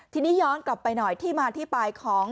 ทีนี้ย้อนกลับไปหน่อยที่มาที่ไปของ